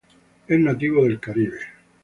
Es nativo de Caribe.